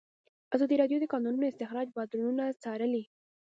ازادي راډیو د د کانونو استخراج بدلونونه څارلي.